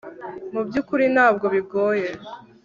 mu byukuri ntabwo bigoye